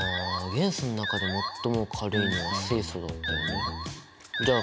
元素の中で最も軽いのは水素だったよね。